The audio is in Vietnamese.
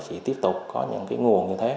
sẽ tiếp tục có những nguồn như thế